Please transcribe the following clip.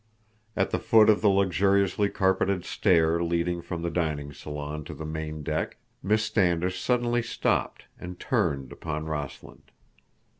At the foot of the luxuriously carpeted stair leading from the dining salon to the main deck Miss Standish suddenly stopped and turned upon Rossland.